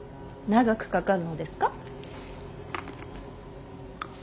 長くかかるのですか？